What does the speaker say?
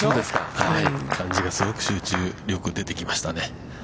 感じが、すごく集中、出てきましたね。